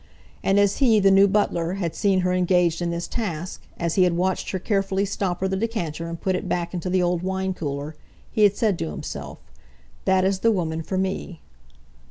And as he, the new butler, had seen her engaged in this task, as he had watched her carefully stopper the decanter and put it back into the old wine cooler, he had said to himself, "That is the woman for me!"